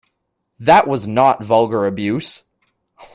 That was not vulgar abuse.